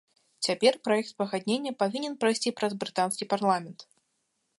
Цяпер праект пагаднення павінен прайсці праз брытанскі парламент.